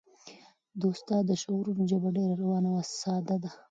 د استاد د شعرونو ژبه ډېره روانه او ساده ده.